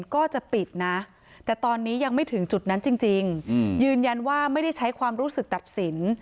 ก็จะปิดนะแต่ตอนนี้ยังไม่ถึงจุดนั้นจริงยืนยันว่าไม่ได้ใช้ความรู้สึกตัดสิน